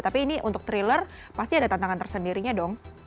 tapi ini untuk thriller pasti ada tantangan tersendirinya dong